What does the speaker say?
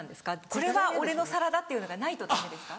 「これは俺の皿だ」っていうのがないとダメですか？